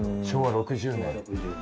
昭和６０年。